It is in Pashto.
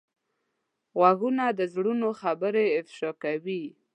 غوږونه د زړونو خبرې افشا کوي